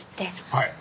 はい。